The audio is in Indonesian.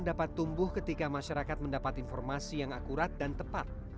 dapat tumbuh ketika masyarakat mendapat informasi yang akurat dan tepat